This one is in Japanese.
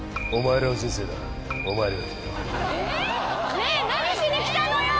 ねぇ何しに来たのよ！？